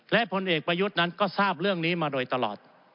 และผลเอกประยุทธ์นั้นก็ทราบเรื่องนี้มาโดยตลอด